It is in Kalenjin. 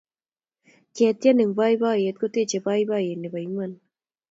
ketien eng poipoiyet kotechei poipoiyet nepo iman